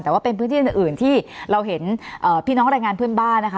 แต่ว่าเป็นพื้นที่อื่นที่เราเห็นพี่น้องแรงงานเพื่อนบ้านนะคะ